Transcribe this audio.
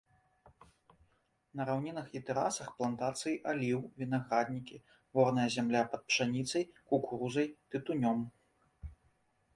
На раўнінах і тэрасах плантацыі аліў, вінаграднікі, ворная зямля пад пшаніцай, кукурузай, тытунём.